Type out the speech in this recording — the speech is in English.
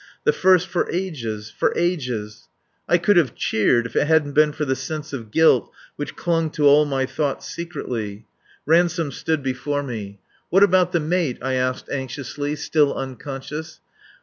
The first for ages for ages. I could have cheered, if it hadn't been for the sense of guilt which clung to all my thoughts secretly. Ransome stood before me. "What about the mate," I asked anxiously. "Still unconscious?"